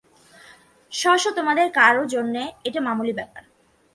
শ-শ তোমাদের কারো কারো জন্যে, এটা মামুলি ব্যাপার।